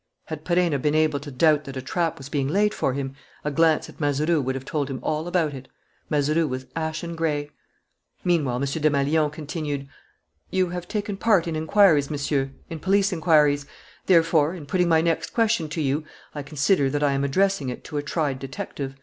Had Perenna been able to doubt that a trap was being laid for him, a glance at Mazeroux would have told him all about it. Mazeroux was ashen gray. Meanwhile, M. Desmalions continued: "You have taken part in inquiries, Monsieur, in police inquiries. Therefore, in putting my next question to you, I consider that I am addressing it to a tried detective."